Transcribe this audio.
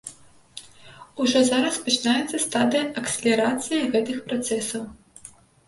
Ужо зараз пачынаецца стадыя акселерацыі гэтых працэсаў.